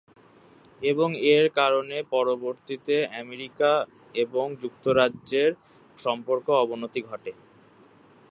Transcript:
এবং এর কারণে পরবর্তিতে আমেরিকা এবং যুক্তরাজ্যের সম্পর্কে অবনতি ঘটে।